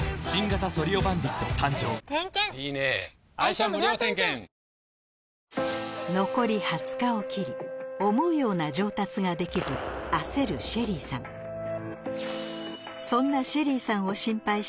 そして残り２０日を切り思うような上達ができず焦るＳＨＥＬＬＹさんそんなお邪魔します。